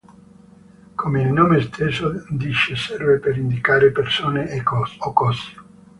Come il nome stesso dice serve per indicare persone o cose.